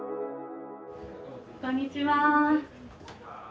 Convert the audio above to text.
こんにちは。